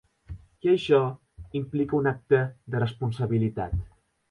I això implica un acte de responsabilitat.